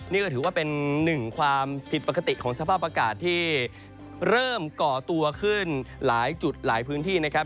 นี่ก็ถือว่าเป็นหนึ่งความผิดปกติของสภาพอากาศที่เริ่มก่อตัวขึ้นหลายจุดหลายพื้นที่นะครับ